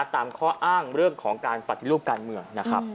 ตามข้ออ้างเรื่องของการปฏิรูปการเมืองนะครับ